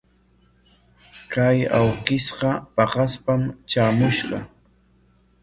Kay awkishqa paqaspam traamushqa.